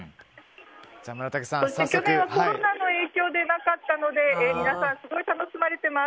去年はコロナの影響でできなかったので皆さん、すごく楽しまれています。